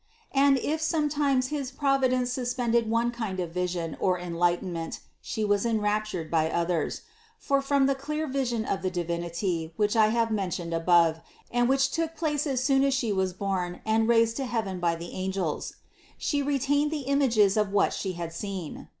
And if sometimes his Providence suspended one kind of vision or enlightenment, She was enraptured by others; for from the clear vision of the Divinity, which I have men tioned above and which took place as soon as She was born and raised to heaven by the angels (No. 332) She retained the images of what She had seen.